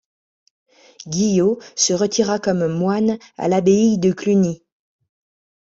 Guiot se retira comme moine à l’Abbaye de Cluny.